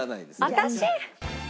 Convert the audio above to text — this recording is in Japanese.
私！？